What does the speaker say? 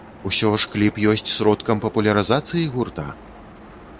Усё ж кліп ёсць сродкам папулярызацыі гурта?